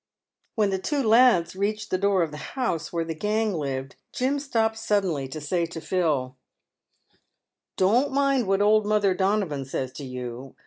When the two lads reached the door of the house where the gang lived, Jim stopped suddenly to say to Phil, " Don't mind what old Mother O'Donovan says to you.